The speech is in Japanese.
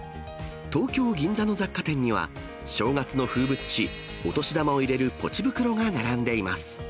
東京・銀座の雑貨店には、正月の風物詩、お年玉を入れるポチ袋が並んでいます。